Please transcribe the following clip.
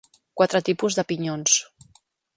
Quatre tipus de pinyons.